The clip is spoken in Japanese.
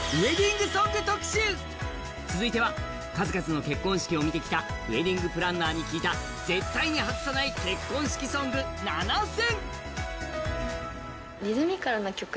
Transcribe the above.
続いては、数々の結婚式を見てきた、ウエディングプランナーに聞いた絶対に外さない結婚式ソング７選。